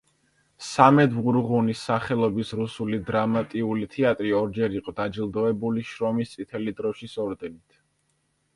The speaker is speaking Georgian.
სამედ ვურღუნის სახელობის რუსული დრამატიული თეატრი ორჯერ იყო დაჯილდოებული შრომის წითელი დროშის ორდენით.